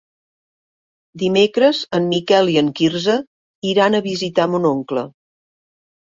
Dimecres en Miquel i en Quirze iran a visitar mon oncle.